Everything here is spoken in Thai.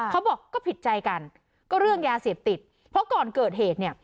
เขาบอกก็ผิดใจกันก็เรื่องยาเสพติดเพราะก่อนเกิดเหตุเนี่ย